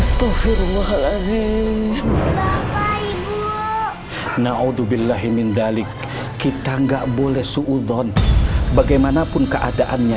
sofirullahaladzim bapak ibu naudzubillahimindalik kita enggak boleh suudhon bagaimanapun keadaannya